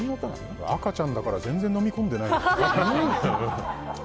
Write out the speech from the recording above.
赤ちゃんだから全然飲み込んでない。